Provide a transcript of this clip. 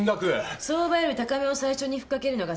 相場より高めを最初に吹っかけるのがセオリー。